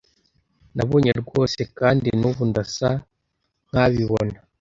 Nabonye rwose kandi n'ubu ndasa nkabibona